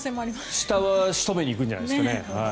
下は仕留めに行くんじゃないですかね。